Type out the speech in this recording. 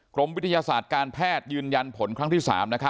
กรมวิทยาศาสตร์การแพทย์ยืนยันผลครั้งที่๓